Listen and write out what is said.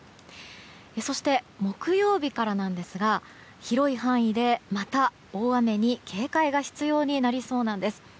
そして、木曜日からなんですが広い範囲で、また大雨に警戒が必要になりそうなんです。